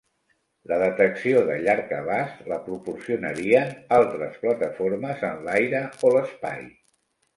La detecció de llarg abast la proporcionarien altres plataformes en l'aire o l'espai.